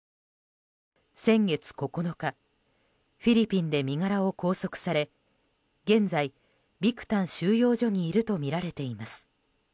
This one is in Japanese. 先月９日フィリピンで身柄を拘束され現在、ビクタン収容所にいるとみられています。